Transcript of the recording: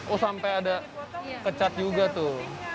oh sampai ada kecat juga tuh